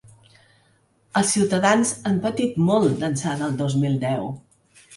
Els ciutadans han patit molt d’ençà del dos mil deu.